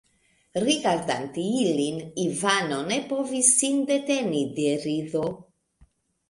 Rigardante ilin, Ivano ne povis sin deteni de rido.